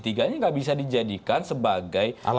ini nggak bisa dijadikan sebagai